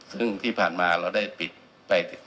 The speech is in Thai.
ซึ่งที่ผ่านมาเราได้ปิดไป